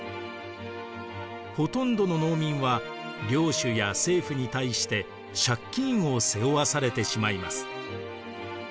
ほとんどの農民は領主や政府に対して借金を背負わされてしまいます。